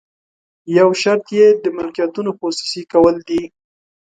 یو شرط یې د ملکیتونو خصوصي کول دي.